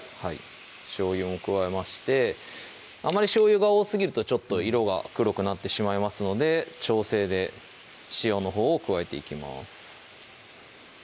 しょうゆも加えましてあまりしょうゆが多すぎると色が黒くなってしまいますので調整で塩のほうを加えていきます